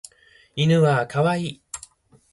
犬はかわいい